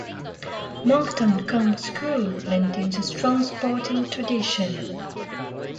Monkton Combe School maintains a strong sporting tradition.